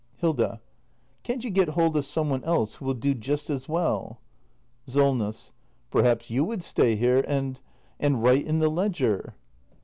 Hilda. Can't you get hold of some one else who will do just as well ? SOLNESS. Perhaps you would stay here and — and write in the ledger